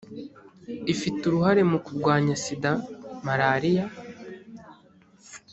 ifite uruhare mu kurwanya sida malariya